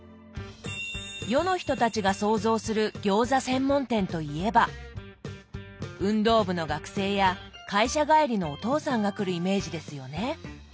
世の人たちが想像する餃子専門店といえば運動部の学生や会社帰りのお父さんが来るイメージですよね？